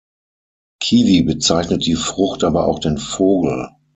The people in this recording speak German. Kiwi bezeichnet die Frucht, aber auch den Vogel.